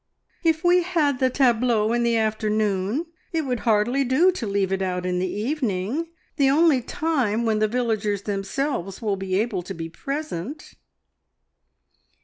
"If we had the tableau in the afternoon, it would hardly do to leave it out in the evening the only time when the villagers themselves will be able to be present."